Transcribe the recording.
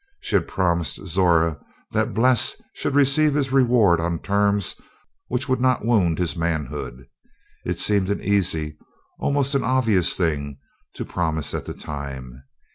She had promised Zora that Bles should receive his reward on terms which would not wound his manhood. It seemed an easy, almost an obvious thing, to promise at the time.